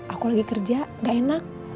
aku lagi kerja gak enak